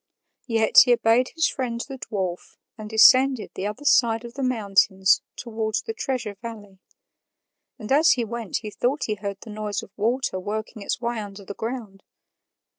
Yet he obeyed his friend the dwarf and descended the other side of the mountains towards the Treasure Valley; and as he went he thought he heard the noise of water working its way under the ground.